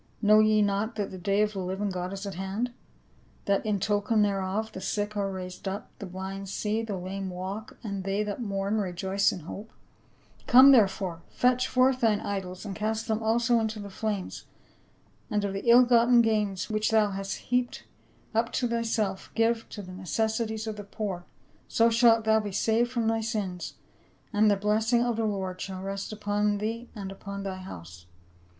Know ye not tliat the day of the living God is at hand ? That in token thereof the sick are raised up, the blind see, the lame walk, and they that mourn rejoice in hope ? Come, therefore, fetch forth thine idols and cast them also into the flames, and of the ill gotten gains which thou hast heaped up to th}'self give to the necessities of the poor ; so shalt thou be saved from thy sins, and the blessing of the Lord shall rest upon thee and upon thy house."